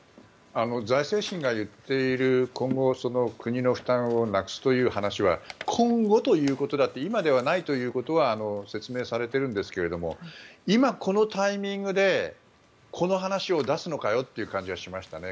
財政審が言っている今後、国の負担をなくすという話は今後ということであって今ではないということは説明されているんですが今、このタイミングでこの話を出すのかよって感じはしましたね。